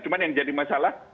cuma yang jadi masalah